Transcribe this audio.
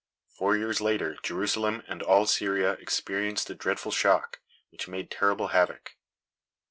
Four years later Jerusalem and all Syria experienced a dreadful shock, which made terrible havoc.